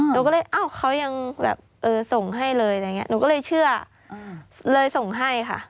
หนูก็เลยอ้าวเขายังแบบเออส่งให้เลยอะไรอย่างนี้หนูก็เลยเชื่อเลยส่งให้ค่ะ